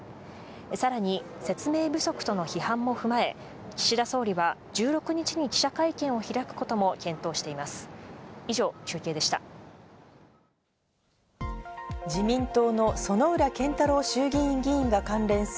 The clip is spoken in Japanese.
さらに説明不足との批判も踏まえ、岸田総理は１６日に記者会見を開くことも検討しています。